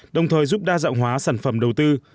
đồng thời giúp đa dạng hóa sản phẩm đầu tư